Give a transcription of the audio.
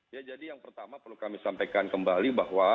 ya jadi yang pertama perlu kami sampaikan kembali bahwa